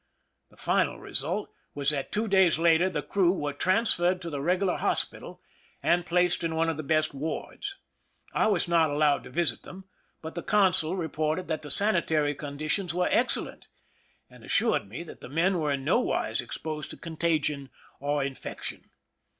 The final result was that two days later the crew were transferred to the regular hospital and placed in one of the best wards. I was not allowed to visit them, but the consul re ported that the sanitary conditions were excellent, and assured me that the men were in no wise ex posed to contagion or infection.